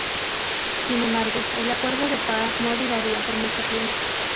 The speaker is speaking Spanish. Sin embargo, el acuerdo de paz no duraría por mucho tiempo.